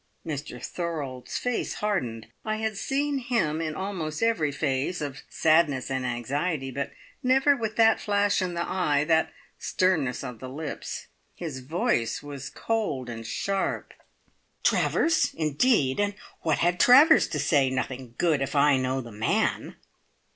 Mr Thorold's face hardened. I had seen him in almost every phase of sadness and anxiety, but never with that flash in the eye, that sternness of the lips. His voice was cold and sharp. "Travers? Indeed! And what had Travers to say? Nothing good, if I know the man."